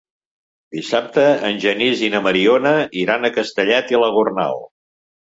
Dissabte en Genís i na Mariona iran a Castellet i la Gornal.